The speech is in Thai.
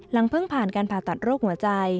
เพิ่งผ่านการผ่าตัดโรคหัวใจ